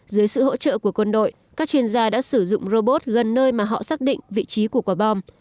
dưới sự hỗ trợ của quân đội các chuyên gia đã sử dụng robot gần nơi mà họ xác định vị trí của quả bom